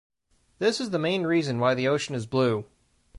This is the main reason why the ocean is blue.